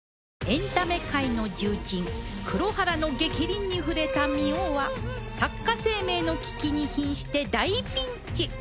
エンタメ界の重鎮黒原の逆鱗に触れた澪は作家生命の危機に瀕して大ピンチ！